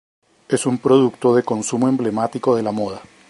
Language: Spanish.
Es un producto de consumo emblemático de la moda.